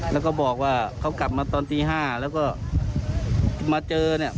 แล้วก็บอกว่าเขากลับมาตอนตี๕แล้วก็มาเจอเนี่ย